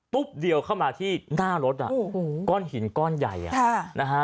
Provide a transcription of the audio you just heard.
เดียวเข้ามาที่หน้ารถอ่ะโอ้โหก้อนหินก้อนใหญ่อ่ะค่ะนะฮะ